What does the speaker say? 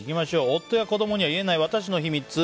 夫や子供には言えない私の秘密。